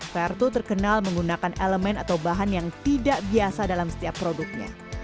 vertu terkenal menggunakan elemen atau bahan yang tidak biasa dalam setiap produknya